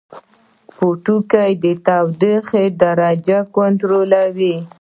پوټکی د تودوخې درجه کنټرولوي